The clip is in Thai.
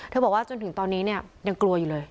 บอกว่าจนถึงตอนนี้เนี่ยยังกลัวอยู่เลย